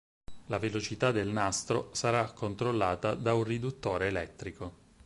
La velocità del nastro sarà controllata da un riduttore elettrico.